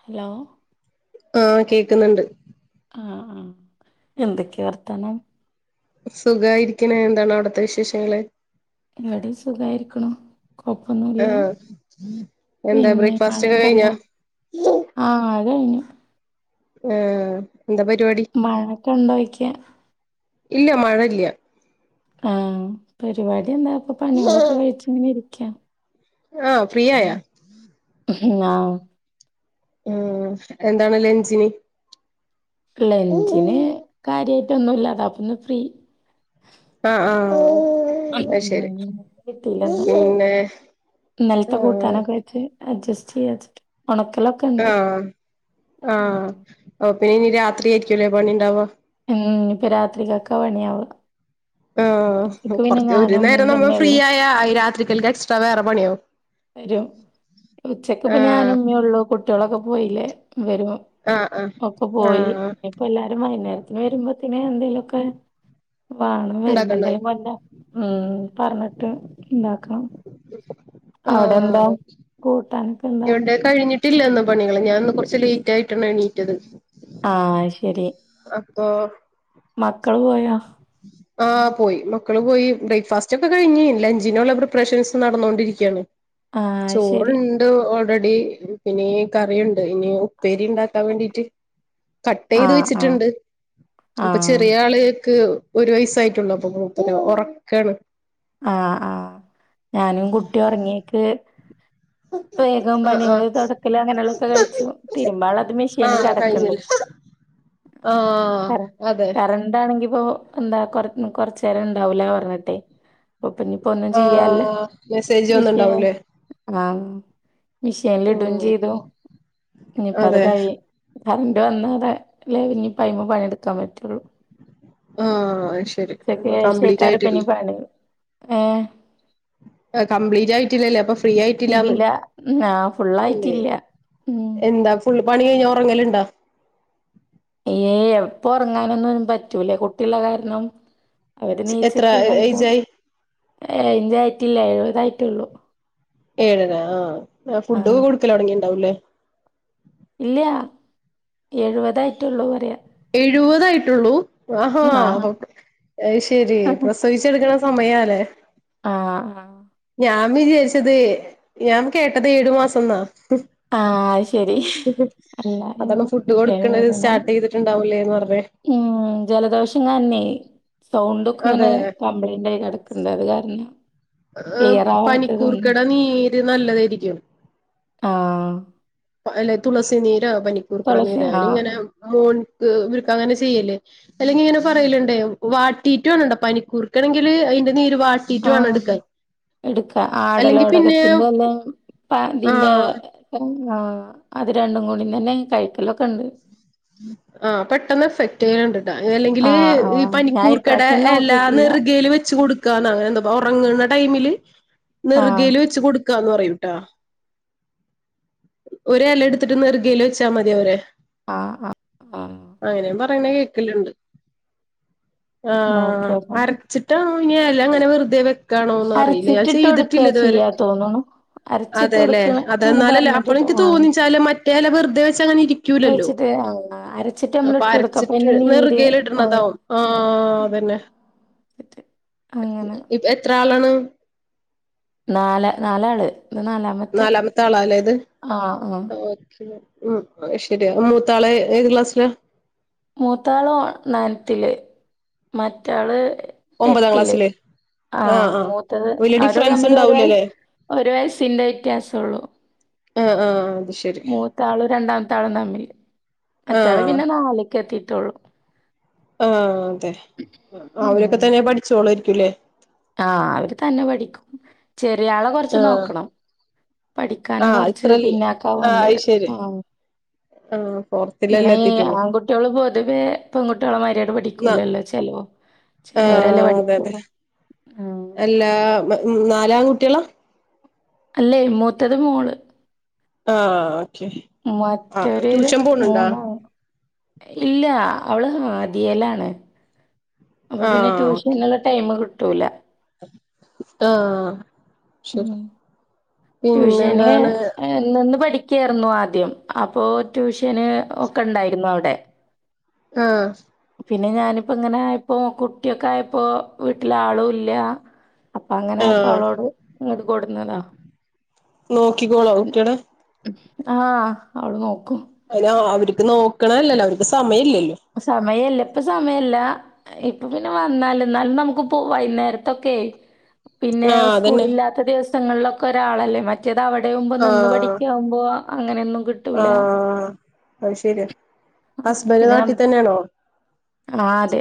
Hello ആഹ് കേക്ക്ന്ന്ണ്ട് ആഹ് ആഹ് എന്തൊക്കെയാ വർത്താനം സുഖായിരിക്ക്ണ് എന്താണ് അവിട്‌ത്തെ വിശേഷങ്ങള് ഇവടിം സുഖായിക്ക്ണു കൊപ്പന്നുല്ല ആഹ് എന്താ പിന്നെ ബ്രേക്ക്ഫാസ്റ്റ് ഒക്കെ കഴിഞ്ഞാ മഴക്കണ്ടോ ആഹ് അതയ്ഞ്ഞു ഏഹ് എന്താ പരിപാടി മഴൊക്കെണ്ടോയ്ക്ക്യാ ഇല്ല മഴ ഇല്ല്യാ ആഹ് പരിപാടി എന്താ ഇപ്പൊ പണിയേളൊക്കെ കഴിച്ചങ്ങനെ ഇരിക്കാ ആഹ് ഫ്രീയായോ ആഹ് ഉം എന്താണ് ലഞ്ചിന് ലഞ്ചിന് കാര്യായിട്ടൊന്നുല്ല അതാപ്പന്ന് ഫ്രീ ആഹ് ആഹ് അത് ശരി മീൻ കിട്ടീല്ലന്ന് പിന്നെ ന്നല്ത്തെ ആഹ് കൂട്ടാനൊക്കെ വെ ച്ച് അഡ്ജെസ്റ്റെയ്യാച്ചിട്ട് ഒണക്കലൊ ആഹ് ആഹ് ഓഹ് പിന്നിനി രാത്രി ആയിരിക്കുല്ലെ പണിണ്ടാവ ഉം ഇപ്പ രാത്രികക്ക പണിയാവ ആഹ് കൊറ്ച്ച് ഒരു ഞാനും ഉമ്മയും നേരം നമ്മ തന്നെ ഫ്രീ ഉള്ളു ആയ രാത്രിക്കൽക്ക് എക്സ്ട്രാ വേറെ പണിയാവും വരും ഉച്ചക്ക്പ്പ ആഹ് ഞാനും മ്മെള്ളൂ കുട്ട്യോളൊക്കെ പോയില്ലേ വരും ആഹ് ആഹ് ഒക്കെ പോയി ആഹ് ഇഞ്പ്പൊ എല്ലാരും വൈന്നേരത്തിന് വരുമ്പോത്ത്ന് എന്തേലൊക്കെ വാങ്ങണം വരുമ്പോ ഉണ്ടാക്കണ്ടായി എന്തേലും കൊൻണ്ട്രാ ഉം പറഞ്ഞിട്ട് ണ്ടാക്കണം ആഹ് കൂട്ടാനൊക്കെ എന്താ യുണ്ട് കഴിഞ്ഞിട്ടില്ല ന്ന് പണികള് ഞാൻന്ന് കുറച്ച് ലേറ്റ് ആയിട്ടാണ് എണീറ്റത് ആഹ് അയ്ശരി അപ്പോ മക്കള് പോയോ ആഹ് പോയി മക്കള് പോയി ബ്രേക്ക്ഫാസ്റ്റ് ഒക്കെ കഴിഞ് ലഞ്ചിനുള്ള പ്രിപ്പറേഷൻസ് നടന്നോണ്ടിരിക്കാണ് ആഹ് ശരി ചോറ്ണ്ട് ഓൾറെഡി പിന്നെ ഈ കറിയുണ്ട് ഇനി ഉപ്പേരി ണ്ടാക് ഉണ്ടാക്കാം വേണ്ടിട്ട് കട്ട് ചെയ്ത് ആഹ് ആഹ് വെച്ചിട്ട്ണ്ട് ഇപ്പ ആഹ് ചെറിയാള് ക്ക് ഒരു വയസ്സായിട്ടുള്ള അപ്പൊ മൂപ്പര്ഒറക്കാണ് ആഹ് ആഹ് ഞാനും കുട്ടിയൊറങ്ങീക്ക് വേഗം ആഹ് ആഹ് പണിയോള് തൊടക്കല് അങ്ങനെയുള്ളൊക്കെ കഴിച്ചു തിരുമ്പാള്ളൊക്കെ മെഷീനി ആഹ് കെടക്ക്ണ്ട് കഴിഞ്ഞില്ലേ ആഹ് അതെ കറണ്ടാണെങ്കി പൊ എന്താ കൊറ് കൊ റ്ചേരണ്ടാവൂല പറ്ഞ്ഞിട്ടെ പ്പ പ്പൊന്നും ചെയ്യാല്ല ആഹ് മെസ്സേജ് മിഷേ വന്നുണ്ടാവുംല്ലേ ആം മിഷേൻലിടും ഉം ചെയ്തു ഇഞ്പ്പത് അതെ കഴിയ് കറണ്ട് വന്നാതെ ലെ ഇഞ്പ്പയ്മെ പണിട്ക്കാം പറ്റുള്ളു ആഹ് അഹ് ശെ ച്ചക്ക് ശേഷയ്ക്കാരപ്പഞ് പണി ഏഹ് ആഹ് കംപ്ലീറ്റ് ആയിട്ടില്ലല്ലേ അപ്പൊ ഫ്രീ ആയിട്ടില്ലാന്ന് ഇല്ല ആഹ് ഫുള്ളായിട്ടില്ല ഉം എന്താ ഫുള്ള് പണി കയ്ഞ്ഞാ ഒറങ്ങല്ണ്ടാ ഏയ് എപ്പൊറ്ങ്ങാനൊന്നും പറ്റൂല കുട്ടിള്ള കാര്ണം അവര് എത്ര നീച്ചിട്ടതായിട്ടും ഏജായി എയ്ഞ്ചായിട്ടില്ല എഴ്പതായിറ്റുള്ളൂ ഏഴര ആഹ് ഫുഡ് ഒക്കെ ആഹ് കൊടുക്കലൊ ട്ങ്ങീണ്ടാവൂല്ലേ ഇല്ല എഴുപതായിട്ടുള്ളൂ പറയാ എഴുപതായിട്ടുള്ളൂ ആഹാ ആഹ് അത് ശരി പ്രസവിച്ചെടുക്കണ സമയാല്ലേ ആഹ് ആഹ് ഞാൻ വിചാരിച്ചത് ഞാൻ കേട്ടത് ഏഴു മാസം എന്നാ ആഹ് ശരി അല്ല അതന്നെ ഫുഡ് കൊടുക്കണ്ടത് എഴുപതെന്നാണ് സ്റ്റാർട്ട് ചെയ്തിട്ടുണ്ടാവലേന്ന് പറഞ്ഞ ഉം ജലദോഷകാരണെ സൗണ്ട് ഒക്കെ ഇങ്ങനെ അതെ കംപ്ലയ്ന്റായി കിടക്ക എന്തായത് കാരണം ക്ലിയർ ആവാത്തത് തോന്നുന്നു പനിക്കൂർക്കട നീര് നല്ലതായിരിക്കും ആഹ് അല്ലെ തുളസി നീര് പനിക്കൂർക്കിട തുളസി നീര ഞാനി ങ്ങനെ ആഹ് മോൻക്ക് ഇവർക്ക് അങ്ങനെ ചെയ്യല് അല്ലെങ്കി ഇങ്ങനെ പറയലുണ്ട് വാട്ടീട്ടു വണണ്ടോ പനിക്കൂർക്കണെങ്കില് അതിന്റെ നീര് വാട്ടീട്ടു വേണം എടുക്കാൻ എടുക്കാ അല്ലെങ്കി പിന്നെ ആടലോടകത്തിന്റെ എല ഇതിറെ ആഹ് ആഹ് അത് രണ്ടും കൂടി തന്നെ കഴിക്കലൊക്കെ ഉണ്ട് ആഹ് പെട്ടെന്ന് എഫക്ട് ചെയ്യലുണ്ട് അല്ലെങ്കിൽ ആഹ് ഈ ആഹ് ഞാൻ പനിക്കൂർക്കട ഇപ്രാവശ്യം എല നോക്കിയിട്ടില്ല നെറുകയിൽ വെച്ച് കൊടു- ക്കാന്നാ ഒർങ്ന്ന ടൈമില് ആഹ് നെർകേല് വെച്ച് കൊടു - ന്ന് പറയുംട്ടാ ഒ രെല എടുത്തിട്ട് നെർഗൽ വെച്ചാ മതി അവരെ ആഹ് ആഹ് അങ്ങനെയും പറയുന്ന കേക്കലുണ്ട് നോക്കി ആഹ് നോക്കണം അര ച്ചിട്ടോ ഇനിയല്ല അങ്ങനെ വെറുതെ വ ണോ അറിയില്ല ഞാൻ അരച്ചിട്ടിട്ട് കൊടുക്കാ ചെയ്തിട്ടില്ല ഇതുവരെ ചെയ്യാ തോന്നുണു. അരച്ചിട്ട് അതെല്ലെ കൊടുക്കാണ് അത അങ്ങനെ എന്നാലല്ലേ അപ്പോൾ പറഞ്ഞേട്ടിട്ട് എനിക്ക് ആഹ് തോന്നിച്ചാല് മറ്റേ എല വെറുതെ വെച്ചാ അങ്ങന ഇരിക്കൂലല്ലോ വെച്ചിട്ട് ആഹ് അരച്ചിട്ട് നമ്മൾ അപ്പൊ ഇട്ട് കൊടുക്ക അപ്പ അരച്ചിട്ട് അയ്ന്റെ നീര് നെറുകേല് ആഹ് ഇടണതാവും ആഹ് അതന്നെ അങ്ങനെ എത്രാളാണ് നാല നാലാള് നാലാ നാലാമത്തെ ആളാ അല്ലേ ഇത് ആഹ് ഉം അഹ് ശേരിയാ. മൂത്താളെ ഏത് ക്ലാസ്സ്ല? മൂത്താളോ നയൻത്തില് മറ്റാള് ഒമ്പതാം എട്ടില് ക്ലാസ്സില്. ആഹ് മൂത്തത്. വലിയ ആരോ ഡിഫറൻസ് തമ്മില് ഒരു വ ഉണ്ടാവൂലല്ലേ ഒരു വയസ്സിന്റെ വ്യത്യാസള്ളു. ആഹ് ആഹ് അത്ശേ മൂത്താളും രണ്ടാമത്താളും തമ്മില്. മറ്റാള് ആഹ് പിന്നെ നാല്ക്കെ ത്തിട്ടൊള്ളൂ. ആഹ് തെ. അവരൊക്കെ ഉം തന്നെ പഠിച്ചോളെയിരിക്കൂല്ലേ. ആഹ് അവര് തന്നെ പഠിക്കും. ചെറിയാളെ കൊറച്ച് ആഹ് നോക്കണം. പഠിക്കാനും ആഹ് കൊറച്ച് ഇത്രല്ല ആഹ് പിന്നാക്കാവ്ണ്ട്. അത് ശരി ഉം ആഹ്. പൊർ ഇന്ന ഈ ആൺകുട്യള് പൊതുവേ പെൺകുട്യളെമായിരി പഠിക്കൂലല്ലോ. ചേലോ ചെലോരെല്ലേ പഠിക്കുള്ളൂ. ഉം എല്ലാ. നാലാ കുട്യളാ. അല്ലേയ് മൂത്തത് മോള്. ആഹ് ഓക്കെ. ആഹ് മറ്റൊര് ട്യൂഷൻ പോണുണ്ടോ മൂന്നാലും ഇല്ല. അവള് ഹാദിയലാണ്. അപ്പൊ പിന്നെ ആഹ് ഓക്കെ ട്യൂഷന്ള്ള ടൈമ് കിട്ടൂല. ആഹ് ശരി ഉം ട്യൂഷന് പിന്നെന്താണ്. നിന്ന് പഠിക്യായിരുന്നു ആദ്യം. അപ്പോ ട്യൂഷന് ഒക്കെ ണ്ടായിരുന്നു അവ്ടെ. ആഹ് പിന്നെ ഞാനിപ്പോ ഇങ്ങനെയപ്പോ കുട്യോക്കെയപ്പോ വീട്ടിലാളുല്ല. അപ്പൊ അങ്ങനെയപ്പോ ആഹ് അവളോട് ഇങ്ങട് കൊടുന്നതാ. നോക്കിക്കോളൊ ഉം കുട്യളെ. ആഹ് അവള് നോക്കും. അലോ അവർക്ക് നോക്കണല്ലല്ലോ അവര്ക്ക് സമയല്ലല്ലോ. സമയല്ല. ഇപ്പ സമയല്ല. ഇപ്പൊ പിന്നെ വന്നാല്. ന്നാലും നമുക്ക് പോ വൈകുന്നേരത്തൊക്കെ പിന്നെ ആഹ് അതന്നെ സ്കൂളില്ലാത്ത ദിവസങ്ങൾലൊക്കെ ഒരാളല്ലേ മ റ്റേത് അവിടെയാവുമ്പോ നിന്ന് ആഹ് പഠിക്കാവുമ്പോ അങ്ങനെയൊന്നും കിട്ടൂല. ആഹ് അഹ് ശരിയാ. ഹസ്ബൻഡ് നാട്ടി തന്നെണോ? ആഹ് തെ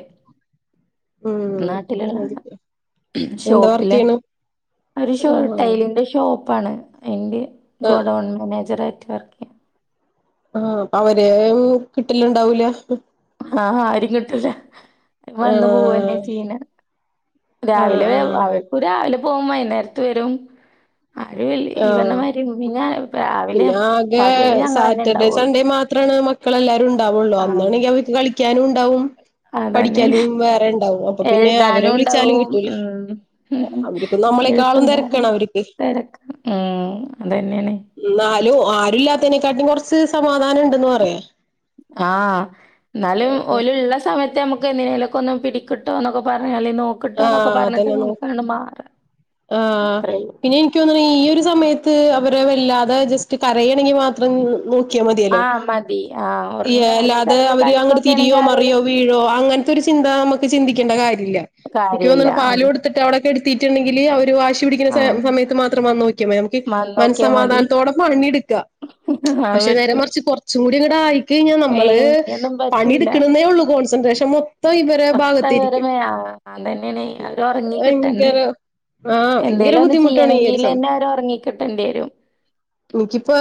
ഉം നാട്ടില്ള്ള ആളാ. എന്താ വർക്ക് ഷോപ്പിലെ ചെയ്യണ് ഒരു ഷോ ആഹ് ടൈലിന്റെ ഷോപ്പാണ്. അയിന്റെ ആഹ് ഗോഡൗൺ മാനേജറായിറ്റ് വർക്ക് ചെയ്യാ. ആഹ് അവരേ കിട്ട്ല്ണ്ടാവൂല. ആഹ് അഹ് ആരിം കിട്ടൂല. വന്ന് ആഹ് പോവന്നെചെയ്യ് നെ. ആഹ് രാവിലെ വേ ആഹ് രാവിലെ പോവും. വൈന്നേരത് വരും. ആരും ഇൽ ഈ പറഞ്ഞ ആഹ് മാതിരി പിന്നെ കുട്ടി. രാവിലെ പിന്നെ ആകെ പകല് ഞങ്ങളന്നെ സാറ്റർഡേ ഇണ്ടാവുള്ളൂ. സൺഡേ മാത്രണ് നമ്മ മക്കളെല്ലാരും ഉണ്ടാവുള്ളൂ. ആഹ് അന്നാണെങ്കിൽഅവക്ക് കളിക്കാനും ണ്ടാവും അതന്നെയാണ്. പഠിക്കാനും വേറെ ണ്ടാവും. അപ്പൊ പിന്നെ അവരെ എഴുതാനും വിളിച്ചാലും ഉണ്ടാവും. കിട്ടൂല. ഉം അവര്ക്ക് നമ്മളെക്കാളും തെരക്കാണ് അവര്ക്ക്. തെരക്ക. ഉം അതന്നെണ്. ന്നാലും ആരുല്ലാത്തനെക്കാട്ടി കൊറച്ച് സമാധാനം ണ്ടന്ന് പറയാ. ആഹ്. ന്നാലും ഒല്ള്ള സമയത്ത് നമുക്ക് എന്തിനേലും. കൊന്ന് പിടിക്ക് ട്ടോ എന്നൊക്കെ പറഞ്ഞാല് നോ കിട്ടോന്നൊക്കെ ആഹ് പറഞ്ഞിട്ട് അതന്നെന്ന് അമുക്കങ്ങട്ട് മാറാൻ ആഹ് അത്രേ ഉള്ളൂ പിന്നെ എനിക്ക് തോന്ന്ണ് ഈ ഒരു സമയത്ത് അവരെ വല്ലാതെ ജസ്റ്റ് കരയേണെങ്കിൽ മാത്രം നോ ക്യാ മതിയല്ലോ ആഹ് മതി. ആഹ് ഈ ഒറങ്ങാ അല്ലെ അല്ലാതെ കെടന്ന് അവര് അങ്ങട്ട് കളിക്കൊക്കേണെങ്കി തിരിയോ മറിയോ ആരേലും വീഴോ അങ്ങൻത്തെ ഒരു ചിന്ത അമ്മക്ക് ചിന്തിക്കേണ്ട കാര്യല്ല കാര്യല്ല. എനിക്കോന്ന്ണ് പാല് ഉം കൊടു ത്തിട്ട് അവിടെ കെട്ത്തീ ട്ടുണ്ടെങ്കില് അവര് വാശി പിടിക്കുന്ന സേ ആഹ്. സമയത്ത് മാത്രം വന്നോക്കിയാമതി നമ്മക്ക് ഈ വന്നോക്കിയാ മതി. മനസ്സമാധാനത്തോടെ പണിടുക്കാം അത് പക്ഷെ പറ്റും. നേരെമറിച്ച് കൊച്ചുംകൂടിങ്ങട്ട് ആയിക്ക ഴിഞ്ഞാൽ നമ്മള് ഏയ് ഇനിയൊന്നും പറ്റൂല. പണിയെടുക്കണുന്നേള്ളൂ കോൺസെൻട്രേഷൻമൊ ത്തം ഇവരെ ഒട്ടേറെ ഭാഗത്തിരിക്കും. ആഹ് അതന്നേണെ അവര് ഒറങ്ങി കിട്ടണ്ടേ ഭയങ്കര ആഹ് ഭയങ്കര എന്തേലും ഒന്ന് ബുദ്ധിമുട്ടാണ് ഈ ഒരു സമയം ചെയ്യണെങ്കിൽന്നെ ഓരൊറങ്ങിക്കിട്ടേണ്ടിവരും ഇൻക്കിപ്പാ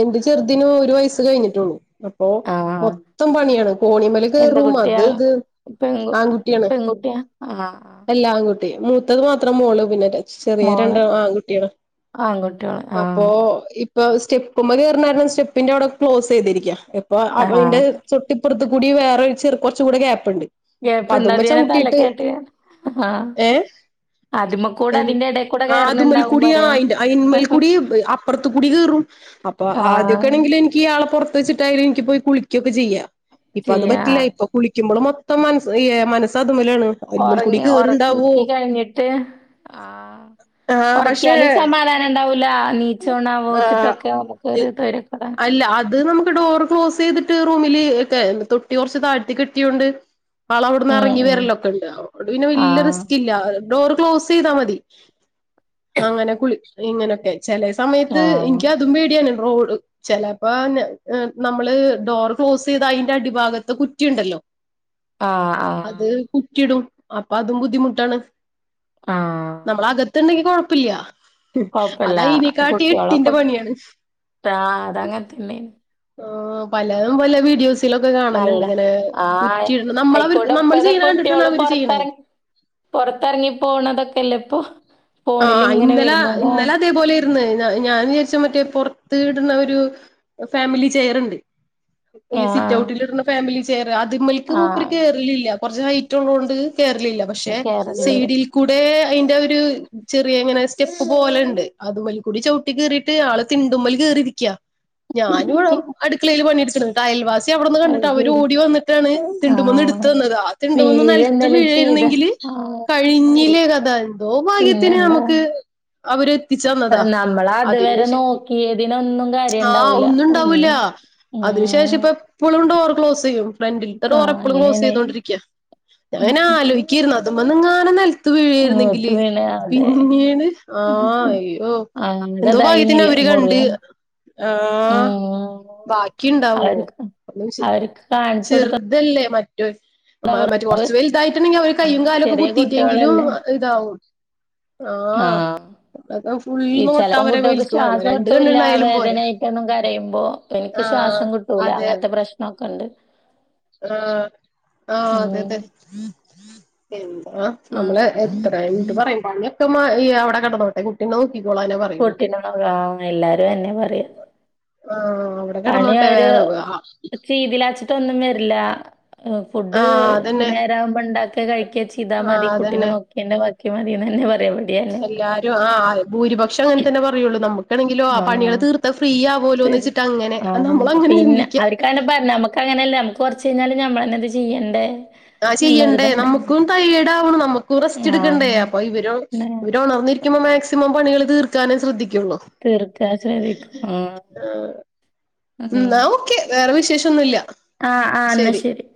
എന്റെ ചെറുതിനു ഒരു വയസ്സ് കഴിഞ്ഞിട്ടൂള്ളൂ അപ്പോ ആഹ്. മൊത്തം പണിയാണ് കോണിമ്മേല് എന്ത് കേറും അത് കുട്ടിയാ? ഇത് പെങ്കു ആൺകുട്ടിയാണ് പെൺകുട്ടിയാ ആഹ് ആഹ് അല്ലാൺകുട്ടി മൂത്തത് മാത്രം മോള് പിന്നെ ചെറിയ മോളോ? രണ്ട് ആൺകുട്ടിയാണ് ആൺകുട്ടികള് അപ്പൊ ആഹ് ഇപ്പ സ്റ്റെപ്പുമ്മേ കേർണാരണം സ്റ്റെപ്പിന്റെ അവിടെ ക്ലോസെയ്തിരിക്ക ഇപ്പൊഅവന്റെ ആഹ് ചൊട്ടിപ്പറത്ത് കൂടി വേറൊരു ചെർ കൊറച്ച് കൂട ഗ്യാപ്പ്ണ്ട്. ഗ്യപ്ണ്ടതിലേ തല കേറ്റിയേ ആഹ് അതിമ്മക്കൂടെ എൻ അതിന്റെ എടേക്കൂടെ അത് കേറണുണ്ടാവും മേൽക്കൂടി പറയാ ആഹ് അയിന്മേൽക്കൂടി അപ്പറത്തു കൂടി കേറും അപ്പൊ ആഹ് ആദ്യക്കേണെങ്കില് എനി ക്കി ആളെ പൊറത്ത് വെച്ചിട്ടായാലും എനിക്ക് പോയി കുളികൊക്കെ ചെയ്യാം ഇപ്പൊ അത് ചെയ്യാ പറ്റില്ല ഇപ്പൊ കുളിക്കുമ്പൊള് മൊത്തം മന ഏഹ് മനസതുമേലാണ്. ഒറങ്ങി ഒറക്കി കഴിഞ്ഞിട്ട് ആഹ് ആ പക്ഷേ ഒറക്കിയാലും സമാധാനംണ്ടാവൂല നീച്ചോണ്ണാവോ ആ ചിട്ടുക്കെ അമുക്ക് ഒരുതൊര അല്ല അത് നമുക്ക് ഡോറ് ക്ലോസൈയ്തിട്ട് റൂമില് തൊട്ടി കൊ റച്ച് താഴ്ത്തി കെട്ടിയോണ്ട് ഉം ആളവ്ടന്നെറങ്ങി ഉം വരലൊക്കെ ഉണ്ട് അവ്ടെ പിന്നെ വല്യ ആഹ് റിസ് ക്കില്ല ഡോറ് ക്ലോസെയ്താ മതി അങ്ങനെ കുളി ഇങ്ങനൊക്കെ ചെലേ സമയത്ത് ആഹ് എനിക്ക് അതും പേടിയാണ് റോഡ് ചെലപ്പോ നമ്മള് ഡോർ ക്ലോസ് ചെയ്ത അയിന്റെ അടിഭാഗത്ത് കുറ്റിയുണ്ടല്ലൊ ആഹ് ആഹ് അത് കുറ്റിയിടും അപ്പൊ അതും ബുദ്ധിമുട്ടാണ് ആഹ് നമ്മളകത്തുണ്ടെങ്കി കൊഴ പ്പില്യാ അത കൊഴപ്പല്ല അതിനെക്കാട്ടി എട്ടിന്റെ കുട്ടികളൊക്കെ പണിയാണ്. ആഹ് അതങ്ങനെ തന്നേണ് ഓഹ് പലതും പല വീഡിയോസ് ലൊക്കെ നല്ല കാണലുണ്ട്. ഇങ്ങനെ ആഹ് കുറ്റി ഇടുന്ന നമ്മള് അവർ അയിക്കൂടെ നമ്മള് ഇപ്പത്തെ ചെയ്യണ കണ്ടിട്ടാണ് കുട്ട്യോള് അവര് ചെയ്യണെ പൊറത്തെറ പൊറത്തെറങ്ങി പോണതൊക്കെ ല്ലേ ഇപ്പൊ ആഹ് ഫോണിലിങ്ങനെ ഇന്നല വരുന്നതാ ഇന്നല അതേപോലേ ര്ന്ന് ഞാൻ വിചാരിച്ച് മറ്റേ പൊ റത്ത് ഇടുന്ന ഒരു ഫാമിലി ചെയറു ണ്ട്. ഈ സിറ്റ് ആഹ് ഔട്ടിൽ ഇടുന്ന ഫാമിലി ചെയറ് അത് മ്മേൽക്ക് മൂപ്പര് ആഹ് കേറലില്ല. കൊറച്ച് ഹൈറ്റ് ഉള്ളോണ്ട് കേറ ലില്ല പക്ഷെ കേറലില്ല. സീഡിൽ കൂടേ അയിന്റ ഒരു ചെറിയ ഇങ്ങനെ സ്റ്റെപ്പ് പോലെ ഉണ്ട് അത് മ്മേൽ കൂടി ചവിട്ടി കേറീട്ട് ആള് തിണ്ടുമ്മല് കേറിരിക്ക്യാ ഞാനും അടുക്കളയില് പണിയെടുക്ക്ണ്. അയൽവാസി അവിടെന്ന് അത് കണ്ടിട്ട് അവര് ശരി ഓടി വന്നിട്ടാണ് തിണ്ടുമന്ന് ആഹ് എടുത്ത് തന്നത് ആ തിണ്ടുമ്മന്ന് നിലത്ത് വീഴെന്തേലും ചെയ്ത വീഴായിരുന്നെങ്കില് ആഹ് കഴിഞ്ഞില്ലേ കഥ എന്തോ ഭാഗ്യത്തിന് എന്താ നമുക്ക് അവര് എത്തിച്ചന്നതാ അതിന് നമ്മളതുവരെ ശേ നോക്കിയതിനൊന്നും കാര്യം ഇണ്ടാവൂലാ ഉം ഉം അതിന് ശേഷം ഇപ്പം ഇപ്പളും ഡോറ് ക്ലോസ് ചെയ്യും ഫ്രണ്ടിൽത്തെ ഡോറ് എപ്പളും കാന്നേണ് ക്ലോസ്സെയ്തോണ്ടിരിക്കാ ഞാനാലോയ്ക്കാ ക്കിരുന്നു അതുമെങ്ങാനും നെലത്ത് മൂത്ത് വീണിരുന്നെങ്കില് വീണ് അതെ പിന്നീട് ആഹ് അയ്യോ എന്തോ ഭാഗ്യത്തിന് ആകതായിന്നില്ലേ അവര് കണ്ട് മുറിയാൻ ആഹ് ഉം. ബാക്കിയിണ്ടാവോ അവർക്ക് [unintelligible] അവർക്ക് കാണിച്ചു ചെറ് കൊടുത്തതാ തല്ലേ മറ്റോൻ മ മറ്റ് ഉറപ്പ്. കൊറച്ച് വെൽതായിറ്റ്ണ്ടെങ്കിലും അവര് കയ്യും ആഹ്. കാലൊക്കെ ചെറിയ കുത്തിയിറ്റെങ്കിലും കുട്ടികളല്ലേ? ഇതാവും. ആഹ് അതൊക്കെ ഫുൾ ഈ നോട്ട ചെലപ്പോ അവരെ കുട്ട്യേൾക്ക് മേൽക്ക് വേണം ശ്വാസം രണ്ട് കിട്ടൂല്ലാ കണ്ണ്ണ്ടായാലും പോരാ വേദന ആയിറ്റൊന്നും കരയുമ്പോ എനിക്ക് ആഹ് ശ്വാസം കിട്ടൂലാ അതെ അങ്ങൻത്തെ പ്രശ്നോക്കെണ്ട് ആഹ് ആഹ് അതെ ഉം. അതെ എന്താ നമ്മള് അങ്ങനെ എത്രയാ [unintelligible] പണിയെത്തുമ്പോ ഈ അവിടെ കെടന്നോട്ടെ കുട്ട് ട്ടി നോക്കിക്കോളനാ പറഞ്ഞ് [unintelligible] ആഹ് എല്ലാരും അതന്നെയാ പറയാ. ആഹ് അവിടെ കെടന്നോട്ടേ വേറെ ആഹ് ചെയിതില്ലാച്ചിട്ടൊന്നും വെരില്ലാ. ഫുഡ് ആഹ് അതന്നെ നേരാകുമ്പോ ഇണ്ടാക്കാ കഴിക്കാ ചെയ്താ മതി ആഹ് കുട്ടിനെ അതന്നെ നോക്കി പിന്നെ ബാക്കി മതീന്നെയാ പറയാ [unintelligible] എല്ലാരും ആഹ് ആ ഭൂരിപക്ഷം അങ്ങനെ തന്നെ പറയുള്ളൂ നമ്മക്ക് ണെങ്കിലോ ആ പണികള് ആഹ്. തീർത്താ ഫ്രീ ആവലോന്ന് വെച്ചിട്ട് അങ്ങനെ നമ്മളങ്ങനെ ചിന്തിക്കാ. പറഞ്ഞാ നമ്മക്ക് അങ്ങനെയല്ലാ നമ്മക്ക് കൊറച്ച് കഴിഞ്ഞാല് നമ്മളെന്നെ ഇത് ചെയ്യണ്ടേ. ആഹ് ചെയ്യണ്ടേ എന്നുള്ളൊരിതാണ്. നമ്മുക്കും ടയേർഡ് ആവുണ് നമ്മുക്കും റസ്റ്റ് ആ എടുക്കണ്ടേ അപ്പൊ ഇവര് ന്നെ ഇവര് ഒണർന്നിരി ക്കുമ്പോ മാക്സിമം പണികള് തീർക്കാനേ ശ്രദ്ധിക്കുള്ളൂ. തീർക്കാ വിചാരിക്കും ഉം എന്നാ അങ്ങനെ ഓക്കെ വേറെ വിശേഷൊന്നുല്ല ആഹ് ആഹ് ഇന്നാ ശരി.